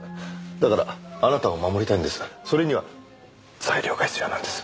だからあなたを守りたいんですがそれには材料が必要なんです。